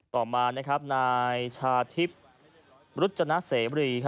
ต่อมานะครับนายชาธิบรุจนาเศยบริ